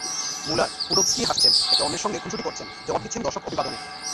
মুলার, Podolski হাসছেন, একে অন্যের সঙ্গে খুনসুটি করছেন, জবাব দিচ্ছেন দর্শক অভিবাদনের।